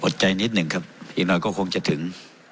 ใจนิดหนึ่งครับอีกหน่อยก็คงจะถึง